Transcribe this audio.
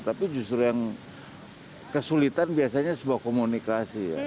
tapi justru yang kesulitan biasanya sebuah komunikasi ya